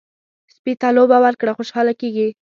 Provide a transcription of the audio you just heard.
سپي ته لوبه ورکړه، خوشحاله کېږي.